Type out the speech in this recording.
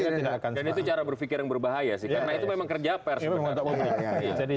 dan itu cara berpikir yang berbahaya sih karena itu memang kerja per sebenarnya